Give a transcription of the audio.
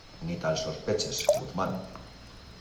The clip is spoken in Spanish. ¡ ni tal sospeches, Guzmán!